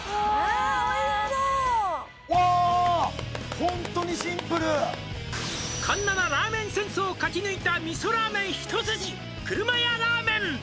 ホントに「環七ラーメン戦争を勝ち抜いた味噌ラーメン一筋」「くるまやラーメン」